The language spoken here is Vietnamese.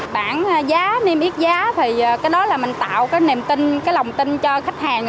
bảng giá niêm yết giá thì cái đó là mình tạo cái niềm tin cái lòng tin cho khách hàng